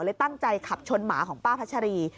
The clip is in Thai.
ตั้งใจขับชนหมาของป้าพัชรี